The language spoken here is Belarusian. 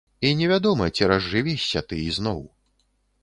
І невядома, ці разжывешся ты ізноў.